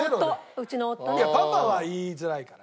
パパは言いづらいから。